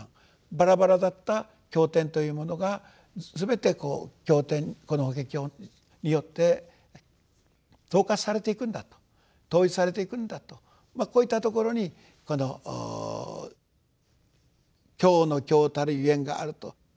バラバラだった経典というものが全てこの法華経によって統括されていくんだと統一されていくんだとこういったところにこの経の経王たるゆえんがあると。